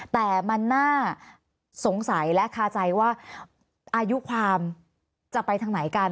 แต่มันน่าสงสัยและคาใจว่าอายุความจะไปทางไหนกัน